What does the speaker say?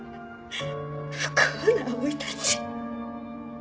不幸な生い立ち？